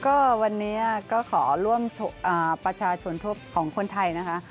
ก็วันนี้ก็ขอว่าล่วมประชาชนทงโทษของคนไทยนะฮะ